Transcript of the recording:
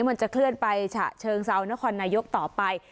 โดยการติดต่อไปก็จะเกิดขึ้นการติดต่อไป